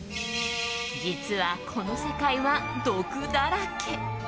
実は、この世界は毒だらけ。